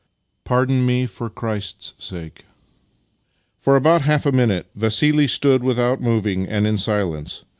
" Pardon me, for Christ's sake." For about half a minute Vassili stood without moving and in silence.